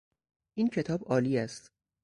این کتاب عالی است.